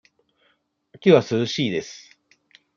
秋は涼しいです。